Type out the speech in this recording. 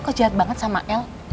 kok jahat banget sama l